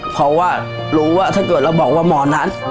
เพราะว่ารู้ว่าถ้าเกิดเราบอกว่าหมอนัท